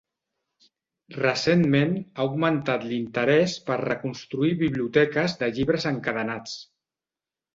Recentment, ha augmentat l'interès per reconstruir biblioteques de llibres encadenats.